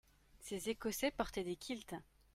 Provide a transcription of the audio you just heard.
Ces Écossais portaient des kilts.